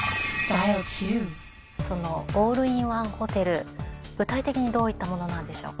そのオールインワンホテル具体的にどういったものなんでしょうか？